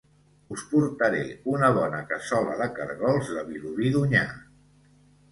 Us portaré una bona cassola de cargols de Vilobí d'Onyar!